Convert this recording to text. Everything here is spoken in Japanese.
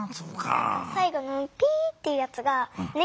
さいごの「ピー」っていうやつがね